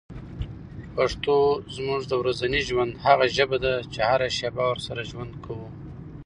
پښتو زموږ د ورځني ژوند هغه ژبه ده چي هره شېبه ورسره ژوند کوو.